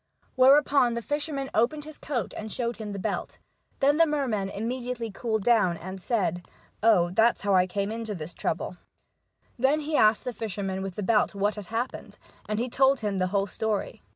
Whereupon the fisherman opened his coat and showed him the belt. Then the merman immediately cooled down, and said : The FisJurmen of Shetland. 75 "Oh, that's how I came into this trouble." Then he asked the fisherman with the belt what had happened, and he told him the whole story.